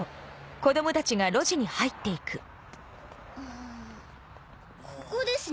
んここですね。